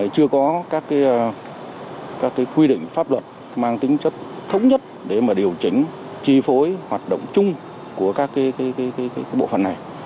chưa có các quy định pháp luật mang tính chất thống nhất để điều chỉnh chi phối hoạt động chung của các bộ phận này